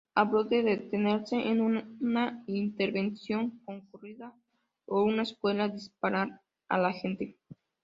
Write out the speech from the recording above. Habló de detenerse en una intersección concurrida o una escuela y disparar a gente.